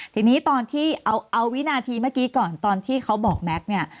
ทีนี้ตอนที่เอาวินาทีเมื่อกี้ก่อนตอนที่เขาบอกแม็กซ์เนี่ย